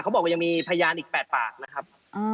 บอกว่ายังมีพยานอีก๘ปากนะครับ